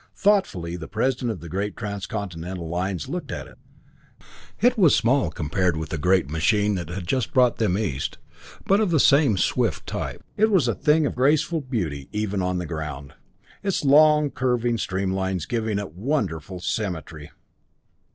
Thoughtfully the president of the great Transcontinental Lines looked at it. It was small compared with the great machine that had just brought them east, but of the same swift type. It was a thing of graceful beauty even on the ground, its long curving streamlines giving it wonderful symmetry.